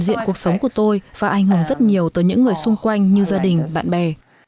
đại diện cuộc sống của tôi và ảnh hưởng rất nhiều tới những người xung quanh như gia đình bạn bè